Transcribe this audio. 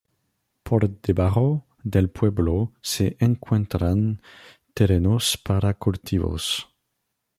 Por debajo del pueblo se encuentran terrenos para cultivos.